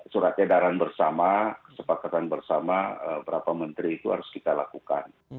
surat edaran bersama kesepakatan bersama berapa menteri itu harus kita lakukan